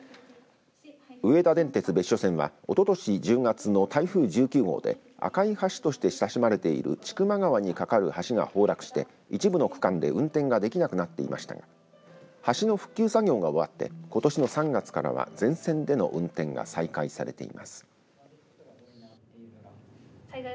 上田電鉄別所線はおととし１０月の台風１９号で赤い橋として親しまれている千曲川にかかる橋が崩落して一部の区間で運転ができなくなっていましたが橋の復旧作業が終わってことしの３月からは全線での運転が再開されています。